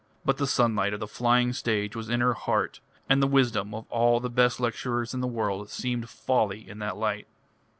But the sunlight of the flying stage was in her heart, and the wisdom of all the best lecturers in the world seemed folly in that light.